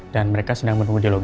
dan mereka sedang menunggu di lobby